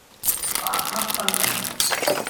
白黑分明